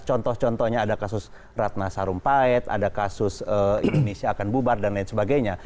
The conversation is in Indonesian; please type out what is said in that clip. contoh contohnya ada kasus ratna sarumpait ada kasus indonesia akan bubar dan lain sebagainya